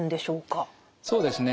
そうですね。